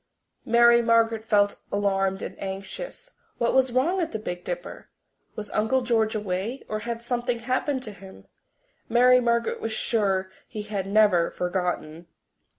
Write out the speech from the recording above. Mary Margaret felt alarmed and anxious. What was wrong at the Big Dipper? Was Uncle George away? Or had something happened to him? Mary Margaret was sure he had never forgotten!